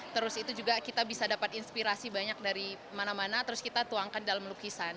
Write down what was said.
terus itu juga kita bisa dapat inspirasi banyak dari mana mana terus kita tuangkan dalam lukisan